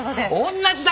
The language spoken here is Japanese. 同じだよ！